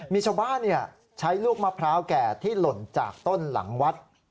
มีชาวบ้านใช้ลูกมะพร้าวแก่ที่หล่นจากต้นหลังวัด